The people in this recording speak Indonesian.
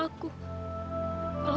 ya aku tahu